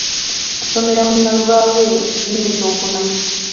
Nsomera mu Nnalubabwe , mu kibiina eky'okuna.